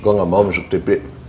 gue gak mau masuk tp